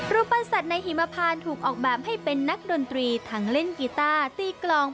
รูปปั้นสัตว์ในหิมพานถูกออกแบบให้เป็นนักดนตรีทั้งเล่นกีต้าตีกลอง